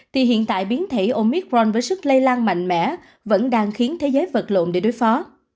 thì hiện tại biến thể omicron với sức lây lan mạnh mẽ vẫn đang khiến thế giới vật lộn để đối phó